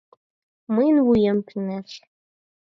— Мыйын вуем пеҥеш.